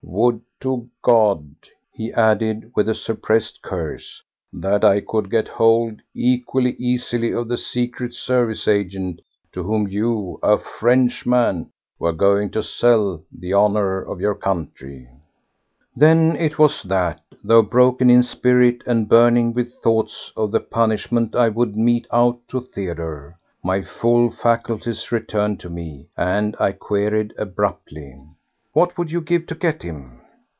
Would to God," he added with a suppressed curse, "that I could get hold equally easily of the Secret Service agent to whom you, a Frenchman, were going to sell the honour of your country!" Then it was that—though broken in spirit and burning with thoughts of the punishment I would mete out to Theodore—my full faculties returned to me, and I queried abruptly: "What would you give to get him?"